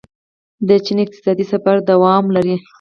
د چین اقتصادي سفر دوام لري.